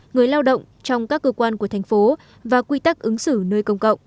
người lao động trong các cơ quan của thành phố và quy tắc ứng xử nơi công cộng